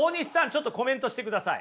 ちょっとコメントしてください。